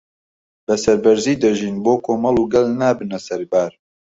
بەسەربەرزی دەژین بۆ کۆمەڵ و گەل نابنە سەربار